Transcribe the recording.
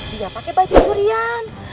dia pake baju curian